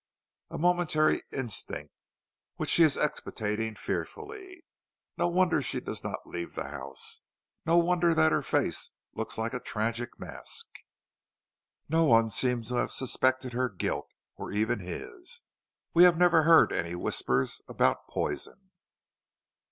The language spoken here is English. "A momentary instinct, which she is expiating fearfully. No wonder she does not leave the house. No wonder that her face looks like a tragic mask." "No one seems to have suspected her guilt, or even his. We have never heard any whispers about poison."